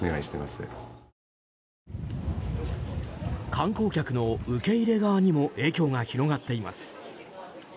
観光客の受け入れ側にも影響が広がっています。